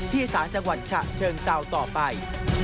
ที่ศาจังหวันชะเชิงเซาต่อไป